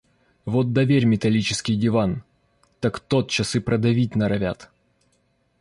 Вот доверь металлический диван, так тот час и продавить норовят.